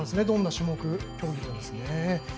どんな種目、競技でも。